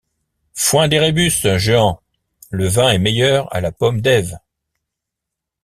Foin des rébus, Jehan! le vin est meilleur à la Pomme d’Ève.